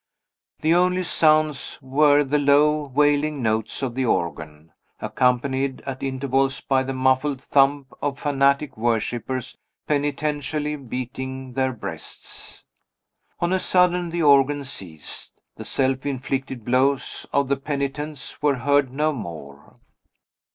The only sounds were the low, wailing notes of the organ, accompanied at intervals by the muffled thump of fanatic worshipers penitentially beating their breasts. On a sudden the organ ceased; the self inflicted blows of the penitents were heard no more.